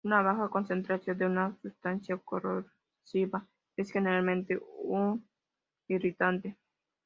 Una baja concentración de una sustancia corrosiva es generalmente un irritante.